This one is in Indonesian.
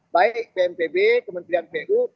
baik pnpb kementerian pu